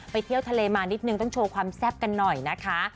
เที่ยวทะเลมานิดนึงต้องโชว์ความแซ่บกันหน่อยนะคะ